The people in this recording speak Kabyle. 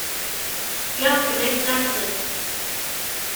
Zgiɣ-d fell-ak d taɛessast.